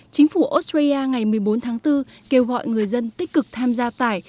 chính phủ australia ngày một mươi bốn tháng bốn kêu gọi người dân tích cực tham gia tải